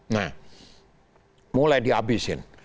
nah mulai di abisin